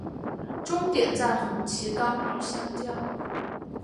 终点在红旗岗与相交。